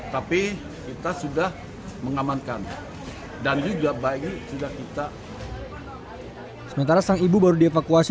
tapi kita sudah mengamankan dan juga bayi sudah kita sementara sang ibu baru dievakuasi